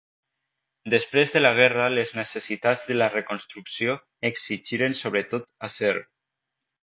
Després de la guerra les necessitats de la reconstrucció exigiren sobretot acer.